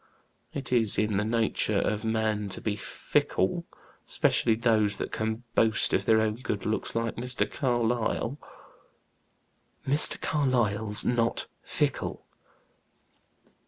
It is in the nature of man to be fickle, specially those that can boast of their own good looks, like Mr. Carlyle." "Mr. Carlyle's not fickle."